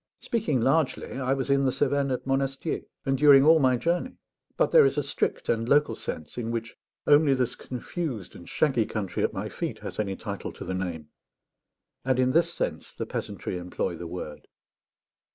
Speaking largely, I was in the Cevennes at Monastier, and during all my journey; but there is a strict and local sense in which only this confused and shaggy country at my feet has any title to the name, and in this sense the peasantry employ the word.